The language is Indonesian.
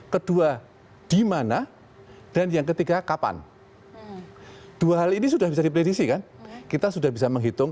kedua dimana dan yang ketiga kapan dua hal ini sudah bisa diprediksi kan kita sudah bisa menghitung